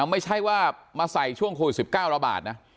ไม่ใช่ว่ามาใส่ช่วงโควิด๑๙ระบาดนะ